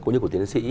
cũng như của tiến sĩ